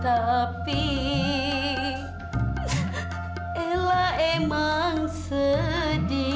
tetapi ella emang sedih